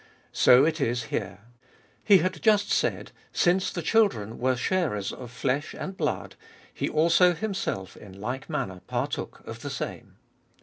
So it is here. He had just said, Since the children were sharers of flesh and blood, He also Himself in like manner partook of the same.